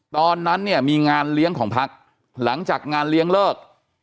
ตอนนั้นเนี่ยมีงานเลี้ยงของพักหลังจากงานเลี้ยงเลิก